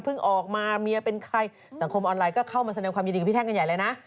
ออกมาเมียเป็นใครสังคมออนไลน์ก็เข้ามาแสดงความยินดีกับพี่แท่งกันใหญ่เลยนะ